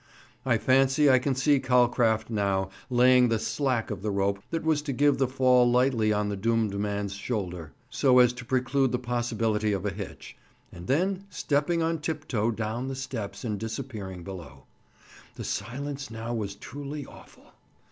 I fancy I can see Calcraft now, laying the "slack" of the rope that was to give the fall lightly on the doomed man's shoulder, so as to preclude the possibility of a hitch, and then stepping on tiptoe down the steps and disappearing below. The silence now was truly awful.